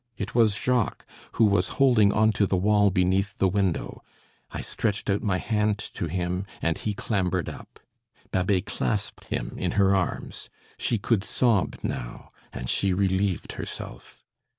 It was Jacques who was holding on to the wall beneath the window. I stretched out my hand to him, and he clambered up. Babet clasped him in her arms. She could sob now; and she relieved herself.